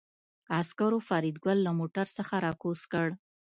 عسکرو فریدګل له موټر څخه راکوز کړ